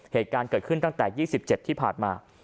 เหตุการณ์เกิดขึ้นตั้งแต่๒๗ที่ผ่านมา